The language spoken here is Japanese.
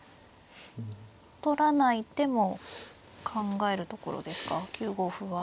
取らない手も考えるところですか９五歩は。